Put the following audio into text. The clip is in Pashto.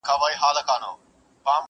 o د شيدو سوی، مستې پوکي!